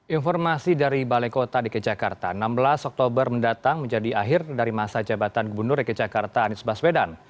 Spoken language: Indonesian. informasi dari balai kota dki jakarta enam belas oktober mendatang menjadi akhir dari masa jabatan gubernur dg jakarta anies baswedan